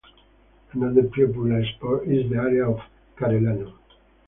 Another popular spot is the area of Karelanu.